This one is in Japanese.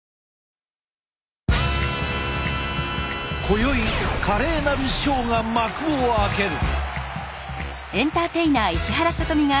こよい華麗なるショーが幕を開ける。